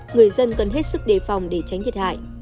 người dân cần hết sức đề phòng để tránh thiệt hại